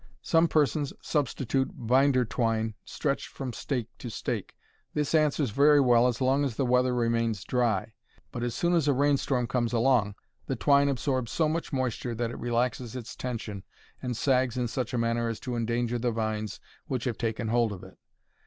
Some persons substitute binder twine stretched from stake to stake. This answers very well as long as the weather remains dry, but as soon as a rain storm comes along the twine absorbs so much moisture that it relaxes its tension and sags in such a manner as to endanger the vines which have taken hold of it.